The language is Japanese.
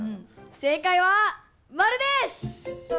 正解は○です！